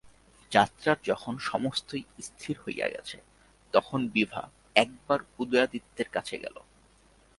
যাত্রার যখন সমস্তই স্থির হইয়া গেছে, তখন বিভা একবার উদয়াদিত্যের কাছে গেল।